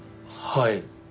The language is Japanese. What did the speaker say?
はい。